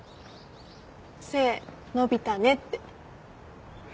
背伸びたねって。